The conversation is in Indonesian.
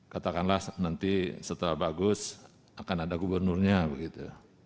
katakanlah nanti setelah bagus akan ada gubernurnya begitu